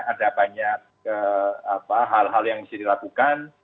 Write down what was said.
ada banyak hal hal yang mesti dilakukan